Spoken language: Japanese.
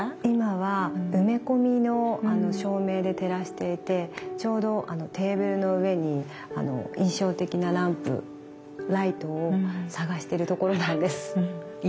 今は埋め込みの照明で照らしていてちょうどテーブルの上に印象的なランプライトを探してるところなんです。